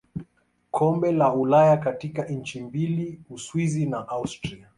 Kombe la Ulaya katika nchi mbili Uswisi na Austria.